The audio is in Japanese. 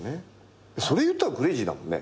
それいったらクレイジーだもんね。